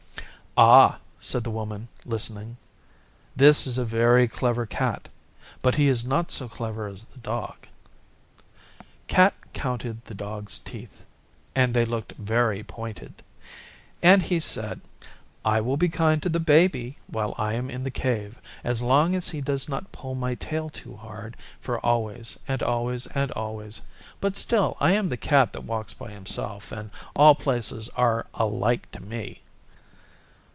'Ah,' said the Woman, listening, 'this is a very clever Cat, but he is not so clever as the Dog.' Cat counted the Dog's teeth (and they looked very pointed) and he said, 'I will be kind to the Baby while I am in the Cave, as long as he does not pull my tail too hard, for always and always and always. But still I am the Cat that walks by himself, and all places are alike to me.